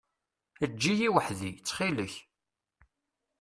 Eǧǧ-iyi weḥd-i, ttxil-k.